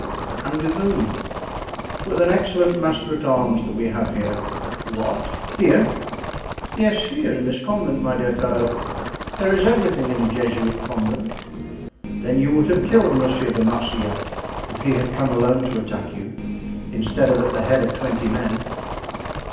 "And with whom?" "With an excellent master at arms that we have here." "What! here?" "Yes, here, in this convent, my dear fellow. There is everything in a Jesuit convent." "Then you would have killed Monsieur de Marsillac if he had come alone to attack you, instead of at the head of twenty men?"